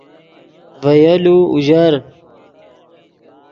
ڤے یولو اوژر